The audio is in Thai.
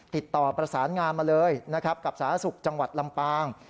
ติดต่อประสานงานมาเลยกับสหสุขจังหวัดลำปาง